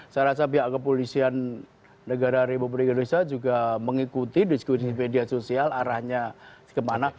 saya rasa pihak kepolisian negara republik indonesia juga mengikuti diskusi media sosial arahnya kemana